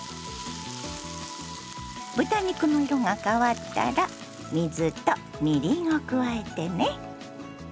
豚肉の色が変わったら水とみりんを加えてね。